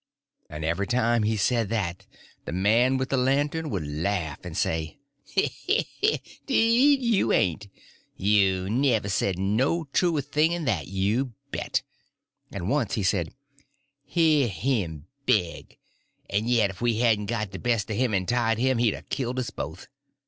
And every time he said that the man with the lantern would laugh and say: "'Deed you ain't! You never said no truer thing 'n that, you bet you." And once he said: "Hear him beg! and yit if we hadn't got the best of him and tied him he'd a killed us both.